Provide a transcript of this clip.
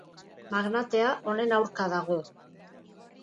Magnatea honen aurka dago.